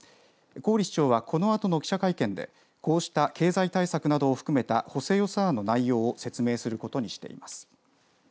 郡市長は、このあとの記者会見でこうした経済対策などを含めた補正予算案の内容を説明することにしています。